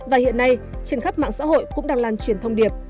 và hiện nay trên khắp mạng xã hội cũng đang lan truyền thông điệp